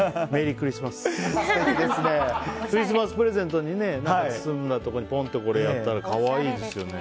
クリスマスプレゼントに何か包んだところにポンとこれやったら可愛いですよね。